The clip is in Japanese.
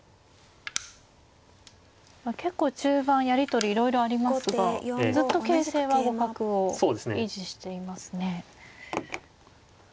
結構中盤やり取りいろいろありますがずっと形勢は互角を維持していますね。